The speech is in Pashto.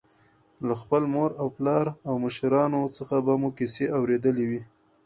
له خپل مور او پلار او مشرانو څخه به مو کیسې اورېدلې وي.